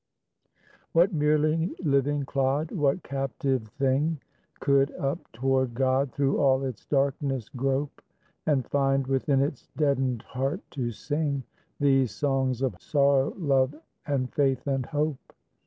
What merely living clod, what captive thing, Could up toward God through all its darkness grope, And find within its deadened heart to sing These songs of sorrow, love and faith, and hope?